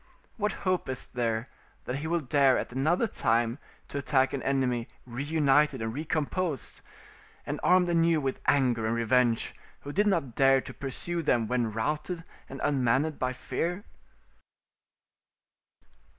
What hope is there that he will dare at another time to attack an enemy reunited and recomposed, and armed anew with anger and revenge, who did not dare to pursue them when routed and unmanned by fear?